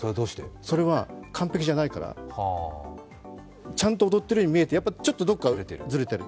それは完璧じゃないから。ちゃんと踊っているように見えてやっぱりちょっとどこかずれている。